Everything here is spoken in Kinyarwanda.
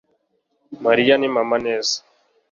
mariya ni mama. neza